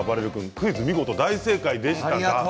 クイズ見事、大正解でした。